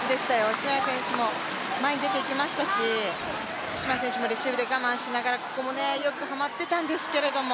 篠谷選手も前に出て行きましたし、福島選手もレシーブで我慢しながらここもよくはまってたんですけれども。